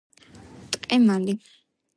ტყემალი